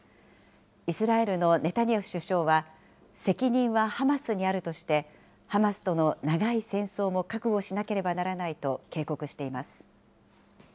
イスラエルのネタニヤフ首相は、責任はハマスにあるとして、ハマスとの長い戦争も覚悟しなければならないと警告しています。